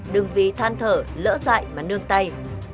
đừng vì than thở lỡ dại mà nương tay